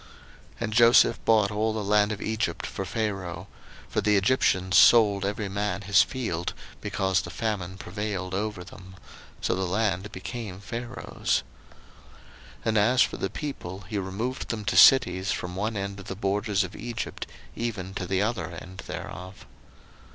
01:047:020 And Joseph bought all the land of Egypt for Pharaoh; for the Egyptians sold every man his field, because the famine prevailed over them: so the land became Pharaoh's. 01:047:021 And as for the people, he removed them to cities from one end of the borders of Egypt even to the other end thereof.